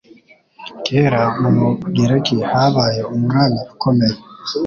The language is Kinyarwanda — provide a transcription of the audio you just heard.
Kera, mu Bugereki habaye umwami ukomeye